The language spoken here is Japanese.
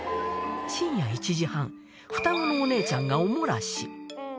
深夜１時半、双子のお姉ちゃんがおもらし。